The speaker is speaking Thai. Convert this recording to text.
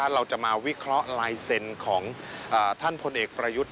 เราจะมาวิเคราะห์ลายเซ็นต์ของท่านพลเอกประยุทธ์